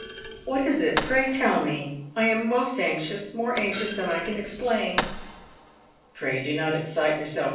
" What is it ? Pray tell me. I am most anxious, more anxious than I can explain." "Pray do not excite yourself.